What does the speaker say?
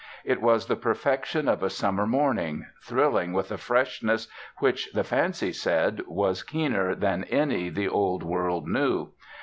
It was the perfection of a summer morning, thrilling with a freshness which, the fancy said, was keener than any the old world knew.